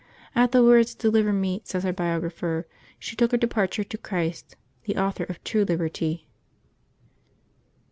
At the words ^' deliver me," says her biographer, she took her departure to Christ, the Author of true liberty.